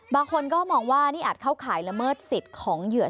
บางคนก็มองว่านี่อาจเข้าข่ายละเมิดสิทธิ์ของเหยื่อ